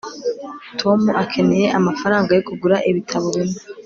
tom akeneye amafaranga yo kugura ibitabo bimwe